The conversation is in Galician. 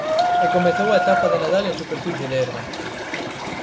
E comezou a etapa de Nadal en superficie de herba.